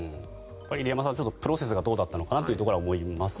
入山さんプロセスがどうだったのかなというところは思いますね。